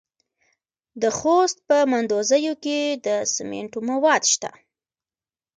د خوست په مندوزیو کې د سمنټو مواد شته.